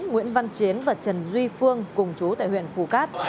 nguyễn văn chiến và trần duy phương cùng chú tại huyện phù cát